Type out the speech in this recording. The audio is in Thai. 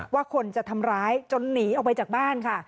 ว่าคนจะทำร้ายจนหนีออกไปจากบ้านค่ะ